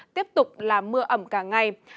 tiếp tục là mưa ẩm cả ngày